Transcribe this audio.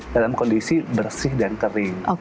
dalam kondisi bersih dan kering